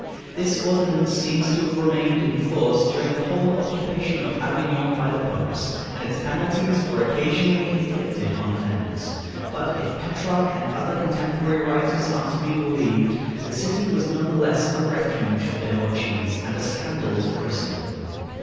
This ordinance seems to have remained in force during the whole occupation of Avignon by the Popes, and its penalties were occasionally inflicted on offenders. But if Petrarch and other contemporary writers are to be believed, the city was none the less a refuge for debauchees, and a scandal to Christendom.